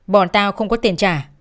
bọn tao không có tiền trả